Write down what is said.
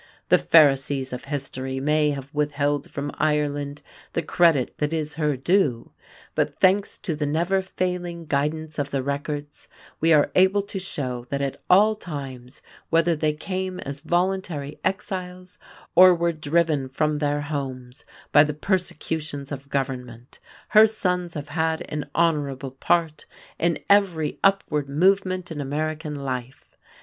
The pharisees of history may have withheld from Ireland the credit that is her due, but, thanks to the never failing guidance of the records, we are able to show that at all times, whether they came as voluntary exiles or were driven from their homes by the persecutions of government, her sons have had an honorable part in every upward movement in American life.